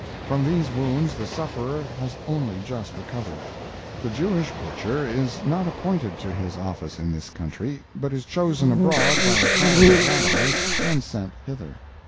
From these wounds the sufferer has only just recovered. The Jewish butcher is not appointed to his office in this country, but is chosen abroad by a college of Rabbis and sent hither.